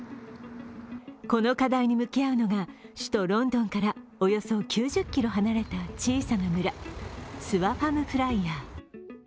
この課題に向き合うのが首都ロンドンからおよそ９０ｋｍ離れた小さな村スワファムプライヤー。